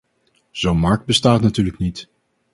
Zo'n markt bestaat natuurlijk niet.